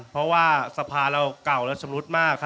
เพราะว่าสะพานเราเก่าแล้วชมรุดมากครับ